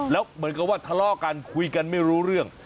แล้วเหมือนกับว่าทะเลาะกันคุยกันไม่รู้เรื่อง